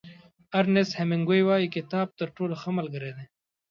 ارنیست هېمېنګوی وایي کتاب تر ټولو ښه ملګری دی.